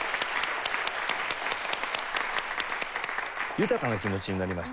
豊かな気持ちになりました。